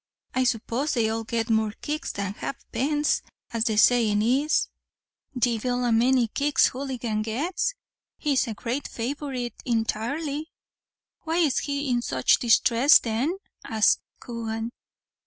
"I suppose they all get more kicks than ha'pence, as the saying is." "Divil a many kicks Houligan gets; he's a great favorite intirely." "Why is he in such distress then?" asked Coogan.